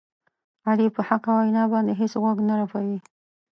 علي په حقه وینا باندې هېڅ غوږ نه رپوي.